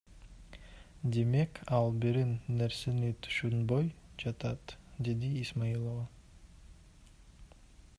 Демек, ал бир нерсени түшүнбөй жатат, — деди Исмаилова.